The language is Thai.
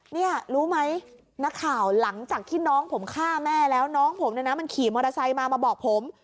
นี่รู้ไหมนักข่าวหลังจากที่น้องผมฆ่าแม่แล้วน้องผมเนี่ยนะมันขี่มอเตอร์ไซค์มามาบอกผม